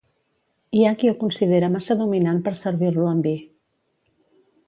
Hi ha qui el considera massa dominant per servir-lo amb vi.